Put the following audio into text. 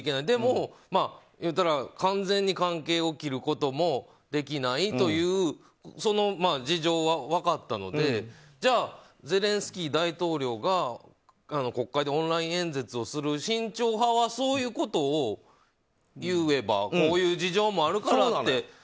でも完全に関係を切ることもできないというその事情は分かったのでじゃあゼレンスキー大統領が国会でオンライン演説をする慎重派はそういうことを言えばこういう事情もあるからって。